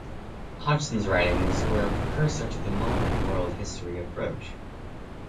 Hodgson's writings were a precursor to the modern world history approach.